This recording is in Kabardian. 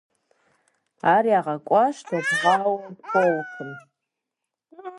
Ар ягъэкӏуащ топгъауэ полкым.